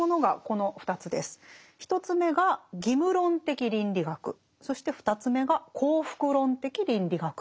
１つ目が「義務論的倫理学」そして２つ目が「幸福論的倫理学」。